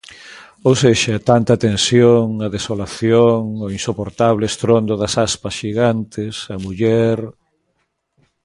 Ou sexa, tanta tensión, a desolación, o insoportable estrondo das aspas xigantes, a muller...